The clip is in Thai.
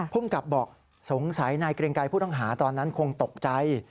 ภูมิกับบอกสงสัยนายเกรงไกรผู้ต้องหาตอนนั้นคงตกใจ